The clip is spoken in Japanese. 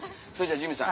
ジミーさん